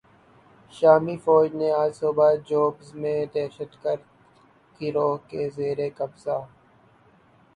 شامی فوج نے آج صبح "جوبر" میں دہشتگرد گروہ کے زیر قبضہ